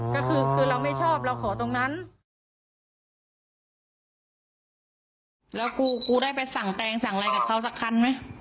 ก็คือเราไม่ชอบเราขอตรงนั้น